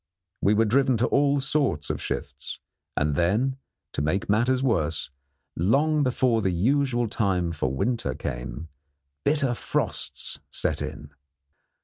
We were driven to all sorts of shifts, and then, to make matters worse, long before the usual time for winter came, bitter frosts set in.